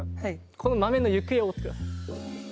この豆の行方を追ってください。